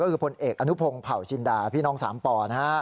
ก็คือพลเอกอนุพงศ์เผาจินดาพี่น้องสามป่อนะฮะ